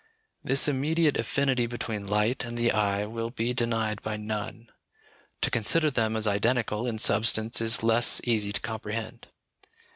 This immediate affinity between light and the eye will be denied by none; to consider them as identical in substance is less easy to comprehend.